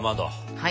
はい。